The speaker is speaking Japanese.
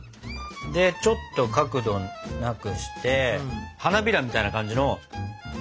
でちょっと角度なくして花びらみたいな感じの。